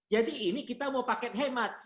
jadi ini kita mau paket hemat